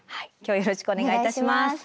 今日はよろしくお願いいたします。